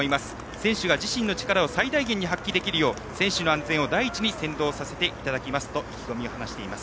選手が自身の力を最大限に発揮できるよう選手の安全を第一に先導させていただきますと話しています。